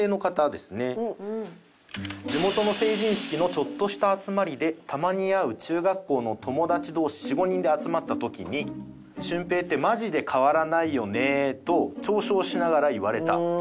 地元の成人式のちょっとした集まりでたまに会う中学校の友達同士４５人で集まった時に「舜平ってマジで変わらないよねー」と嘲笑しながら言われた。